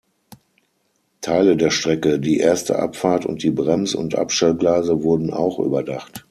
Teile der Strecke, die erste Abfahrt und die Brems- und Abstellgleise wurden auch überdacht.